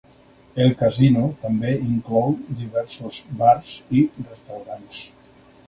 El casino també inclou diversos bars i restaurants.